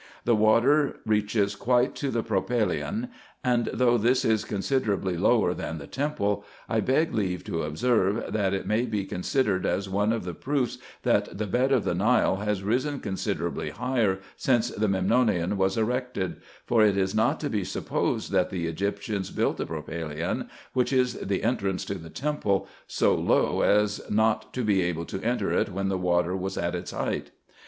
The water reaches quite to the propylaeon ; and, though this is considerably lower than the temple, I beg leave to observe, that it may be considered as one of the proofs, that the bed of the Nile has risen considerably higher since the Memnonium was erected ; for it is not to be supposed that the Egyptians built the propylaeon, which is the entrance to the temple, so low as not to be able to enter it when the water was at its height.